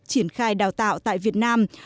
triển khai đào tạo tại việt nam